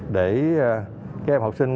để các em học sinh